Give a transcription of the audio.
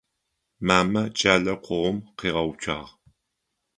Мамэ кӏалэр къогъум къуигъэуцуагъ.